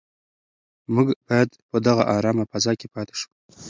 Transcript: موږ باید په دغه ارامه فضا کې پاتې شو.